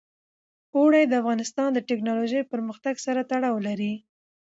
اوړي د افغانستان د تکنالوژۍ پرمختګ سره تړاو لري.